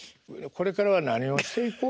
これからは何をしていこうと。